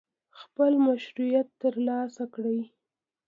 خپل مشروعیت ترلاسه کړي.